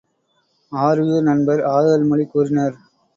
ஆருயிர் நண்பர் ஆறுதல் மொழி கூறினர்.